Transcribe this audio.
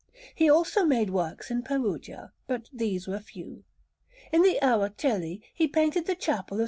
He also made works in Perugia, but these were few. In the Araceli he painted the Chapel of S.